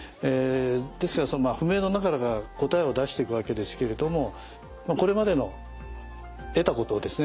ですから不明の中から答えを出していくわけですけれどもこれまでの得たことをですね